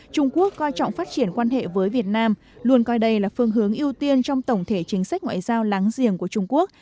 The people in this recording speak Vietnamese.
trung quốc coi trọng phát triển quan hệ với việt nam luôn coi đây là phương hướng ưu tiên trong tổng thể chính sách ngoại giao láng giềng của trung quốc